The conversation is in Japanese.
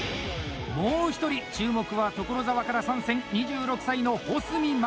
もう一人、注目は所沢から参戦２６歳の保住真衣！